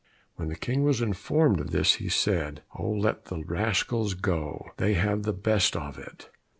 When the King was informed of this he said, "Let the rascals go. They have the best of it."